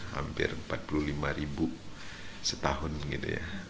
hampir empat puluh lima ribu setahun gitu ya